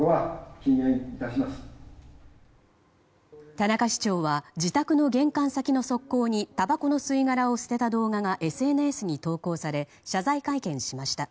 田中市長は自宅の玄関先の側溝にたばこの吸い殻を捨てた動画がＳＮＳに投稿され謝罪会見しました。